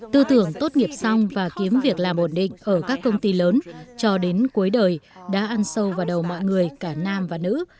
tư tưởng tốt nghiệp xong và kiếm việc làm ổn định ở các công ty lớn cho đến cuối đời đã ăn sâu vào đầu mọi người cả nam và nữ